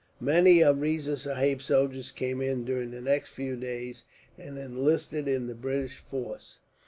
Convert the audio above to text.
Many of Riza Sahib's soldiers came in, during the next few days, and enlisted in the British force.